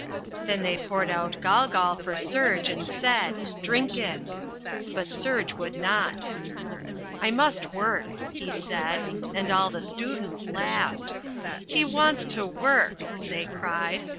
Then they poured out golgol for Serge and said, "Drink it." But Serge would not. "I must work," he said, and all the students laughed. "He wants to work!" they cried.